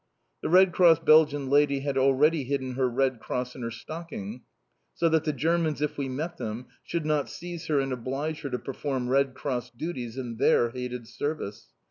The Red Cross Belgian lady had already hidden her Red Cross in her stocking, so that the Germans, if we met them, should not seize her and oblige: her to perform Red Cross duties in their hated service.